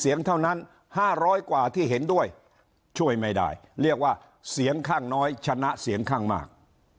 เสียงเท่านั้น๕๐๐กว่าที่เห็นด้วยช่วยไม่ได้เรียกว่าเสียงข้างน้อยชนะเสียงข้างมาก